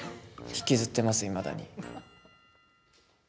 引きずってます、いまだに。